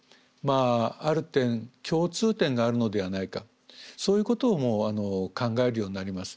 ある点共通点があるのではないかそういうことをも考えるようになります。